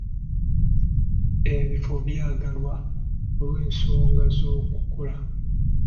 Ebifo byaggalwa olw'ensoga z'okukola.